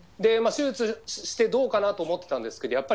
手術してどうかなと思ってたんですけど